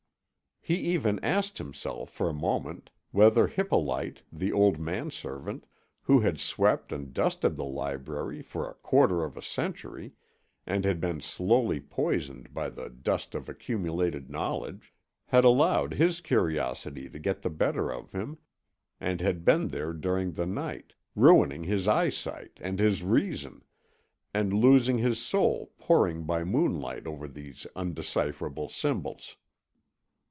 He even asked himself for a moment whether Hippolyte, the old manservant, who had swept and dusted the library for a quarter of a century, and had been slowly poisoned by the dust of accumulated knowledge, had allowed his curiosity to get the better of him, and had been there during the night, ruining his eyesight and his reason, and losing his soul poring by moonlight over these undecipherable symbols.